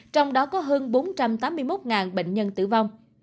trong đó có hơn bốn trăm tám mươi một bệnh nhân tử vong